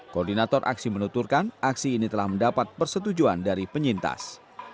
koordinator aksi menuturkan aksi ini telah mendapat persetujuan dari penyintas